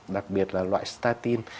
đặc biệt là loại statin